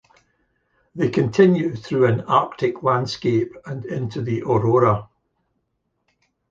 They continue through an arctic landscape and into the aurora.